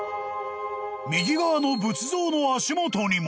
［右側の仏像の足元にも］